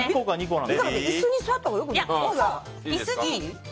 椅子に座ったほうがよくない？